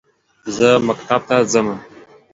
زه مکتب ته زمه